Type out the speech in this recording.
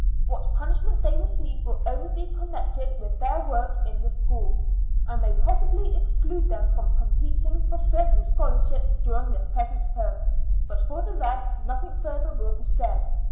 What punishment they receive will only be connected with their work in the school, and may possibly exclude them from competing for certain scholarships during this present term, but for the rest nothing further will be said.